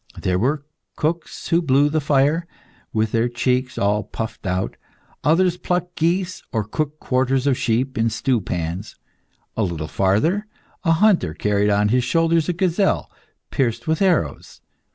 There were cooks who blew the fire, with their cheeks all puffed out; others plucked geese, or cooked quarters of sheep in stew pans. A little farther, a hunter carried on his shoulders a gazelle pierced with arrows.